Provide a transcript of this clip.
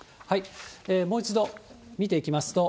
もう一度見ていきますと。